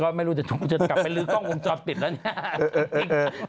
ก็ไม่รู้จะกลับไปลื้อกล้องวงจรปิดแล้วเนี่ย